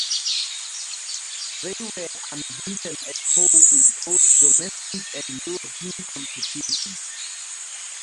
They were unbeaten at home in both domestic and European competitions.